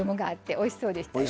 おいしそうですね。